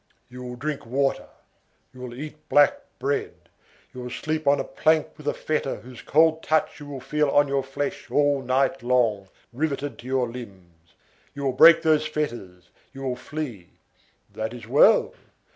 You will drink water, you will eat black bread, you will sleep on a plank with a fetter whose cold touch you will feel on your flesh all night long, riveted to your limbs. You will break those fetters, you will flee. That is well.